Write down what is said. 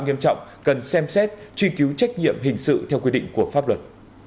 nghiêm trọng cần xem xét truy cứu trách nhiệm hình sự theo quy định của pháp luật